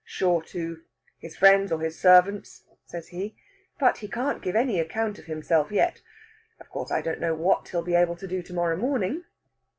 "Sure to. His friends or his servants," says he. "But he can't give any account of himself yet. Of course, I don't know what he'll be able to do to morrow morning."